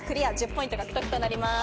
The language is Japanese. １０ポイント獲得となります。